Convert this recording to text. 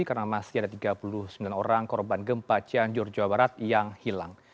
karena masih ada tiga puluh sembilan orang korban gempa cianjur jawa barat yang hilang